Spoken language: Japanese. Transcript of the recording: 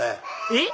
えっ？